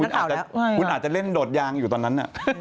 คุณอาจจะเล่นโดดยางอยู่ตอนนั้น